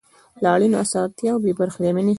له اړینو اسانتیاوو بې برخې دي.